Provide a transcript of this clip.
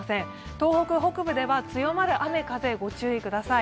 東北北部では強まる雨・風、ご注意ください。